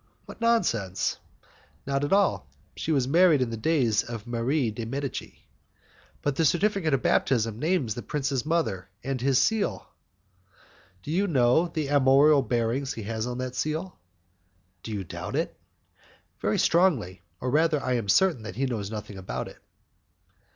"What nonsense!" "Not at all; she was married in the days of Marie de Medicis." "But the certificate of baptism names the prince's mother, and his seal " "Does he know what armorial bearings he has on that seal?" "Do you doubt it?" "Very strongly, or rather I am certain that he knows nothing about it."